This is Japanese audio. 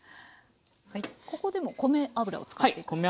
ここでも米油を使っていくんですね。